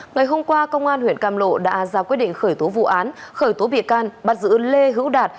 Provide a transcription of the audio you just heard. ngày hôm qua công an huyện cam lộ đã ra quyết định khởi tố vụ án khởi tố bị can bắt giữ lê hữu đạt